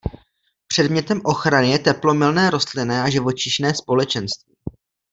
Předmětem ochrany je teplomilné rostlinné a živočišné společenství.